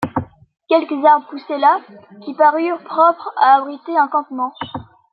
Quelques arbres poussaient là, qui parurent propres à abriter un campement.